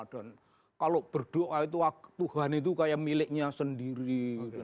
dan kalau berdoa itu tuhan itu kayak miliknya sendiri